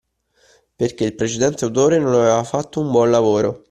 Perché il precedente autore non aveva fatto un buon lavoro.